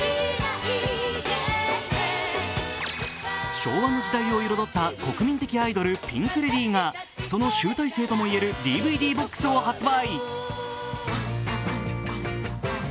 昭和の時代を彩った国民的アイドル、ピンク・レディーがその集大成ともいえるＤＶＤボックスを発売。